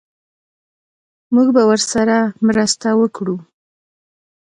موږ به ورسره مرسته وکړو